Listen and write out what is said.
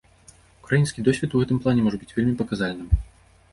Украінскі досвед у гэтым плане можа быць вельмі паказальным.